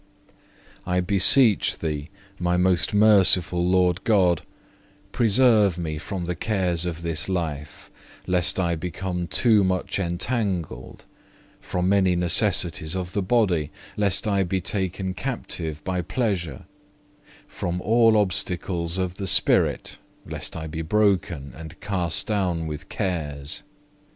2. I beseech Thee, my most merciful Lord God, preserve me from the cares of this life, lest I become too much entangled; from many necessities of the body, lest I be taken captive by pleasure; from all obstacles of the spirit, lest I be broken and cast down with cares.